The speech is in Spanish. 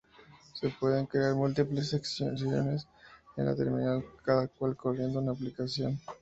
Se pueden crear múltiples sesiones en la terminal, cada cual corriendo una aplicación.